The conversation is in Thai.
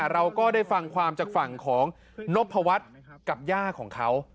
เราก็ได้ฟังความจากฝั่งของนพวัฒน์กับย่าของเขา